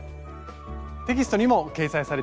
テキストにも掲載されています。